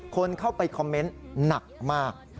คนเข้าไปคอมเมนต์หนักมาก